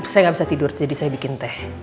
saya nggak bisa tidur jadi saya bikin teh